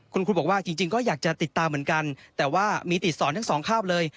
คุณครูบอกว่าจริงก็อยากจะติดตามเหมือนกันแต่ว่ามีติดสอนทั้งสองข้างเลย